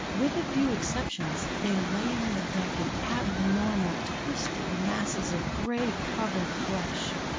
With a few exceptions, they lay on the deck in abnormal, twisted masses of gray covered flesh.